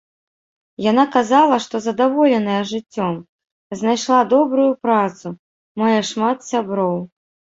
Яна казала, што задаволеная жыццём, знайшла добрую працу, мае шмат сяброў.